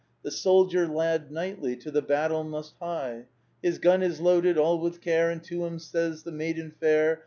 The soldier lad knightly To the battle must hie. His gun is loaded all with care ; And to him says the maiden fair.